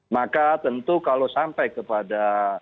maka tentu kalau sampai kepada